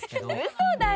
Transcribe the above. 嘘だよ！